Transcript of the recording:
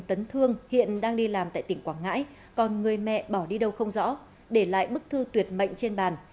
tấn thương hiện đang đi làm tại tỉnh quảng ngãi còn người mẹ bỏ đi đâu không rõ để lại bức thư tuyệt mệnh trên bàn